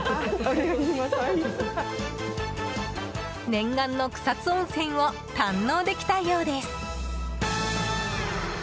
念願の草津温泉を堪能できたようです。